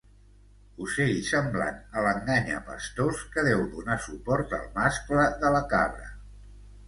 Ocell semblant a l'enganyapastors que deu donar suport al mascle de la cabra.